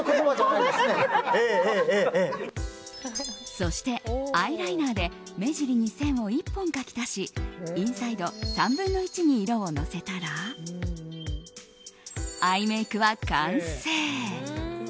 そして、アイライナーで目尻に線を１本描き足しインサイド３分の１に色をのせたらアイメイクは完成。